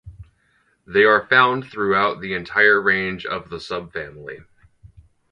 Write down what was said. They are found throughout the entire range of the subfamily.